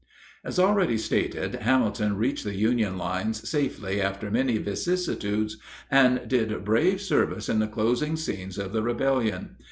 As already stated, Hamilton reached the Union lines safely after many vicissitudes, and did brave service in the closing scenes of the rebellion.